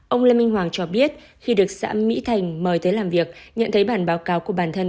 ông lê minh hoàng cho biết khi được xã mỹ thành mời tới làm việc nhận thấy bản báo cáo của bản thân